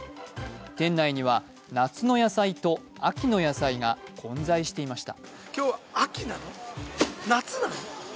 店内には夏の野菜と秋の野菜が混在していました。